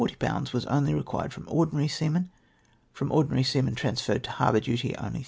only was re ([uired from ordinary seamen ; from ordinary seamen trans ferred to harbour duty, only 30